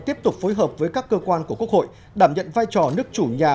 tiếp tục phối hợp với các cơ quan của quốc hội đảm nhận vai trò nước chủ nhà